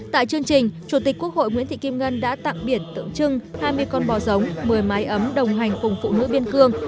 tại chương trình chủ tịch quốc hội nguyễn thị kim ngân đã tặng biển tượng trưng hai mươi con bò giống một mươi mái ấm đồng hành cùng phụ nữ biên cương